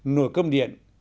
nồi cơm điện